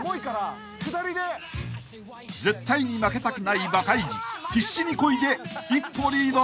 ［絶対に負けたくないバカイジ必死にこいで一歩リード］